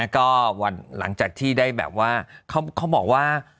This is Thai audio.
ก็หลังจากที่ได้แบบว่าเขาบอกว่า